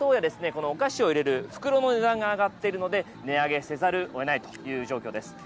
このお菓子を入れる袋の値段が上がっているので値上げせざるをえないという状況です。